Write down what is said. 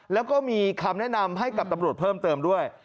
แล้วก็มีคำแนะนำให้กับตำรวจเพิ่มเติมด้วย